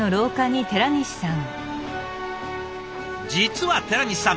実は寺西さん